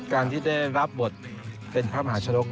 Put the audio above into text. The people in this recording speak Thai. การที่ได้รับบทเป็นพระมหาชนก